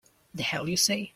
The hell you say!